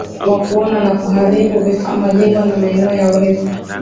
wa kuona na kuharibu vifaa majengo na maeneo ya urithi